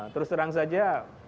terus terang saja